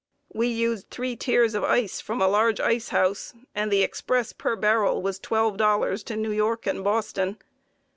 We used three tiers of ice from a large icehouse, and the express per barrel was $12 to New York and Boston.